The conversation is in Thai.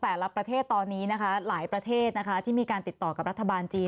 แต่ละประเทศตอนนี้นะคะหลายประเทศนะคะที่มีการติดต่อกับรัฐบาลจีน